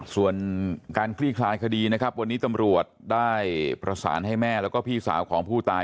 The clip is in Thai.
ส่วนการคลี่คลายคดีนะครับวันนี้ตำรวจได้ประสานให้แม่แล้วก็พี่สาวของผู้ตาย